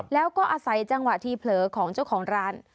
แล้วก็อาศัยจังหวะที่เผลอของเจ้าของร้าน